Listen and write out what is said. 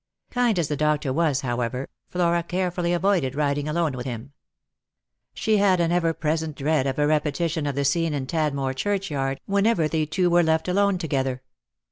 Kind as the doctor was, however, Flora carefully avoided riding alone with him. She had an ever present dread of a repetition of the scene in Tadmor churchyard whenever they two were left alone together.